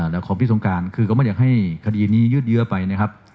แล้วของพี่สงการคือก็ไม่อยากให้คดีนี้ยืดเยอะไปนะครับ